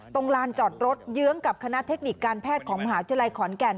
ลานจอดรถเยื้องกับคณะเทคนิคการแพทย์ของมหาวิทยาลัยขอนแก่น